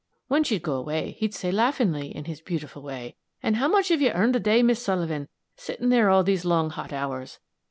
When she'd go away he'd say, laughing in his beautiful way, 'And how much have you earned a day, Miss Sullivan, sitting there all these long, hot hours?'